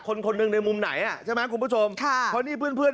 คนหนึ่งในมุมไหนอ่ะใช่ไหมคุณผู้ชมค่ะเพราะนี่เพื่อนเพื่อน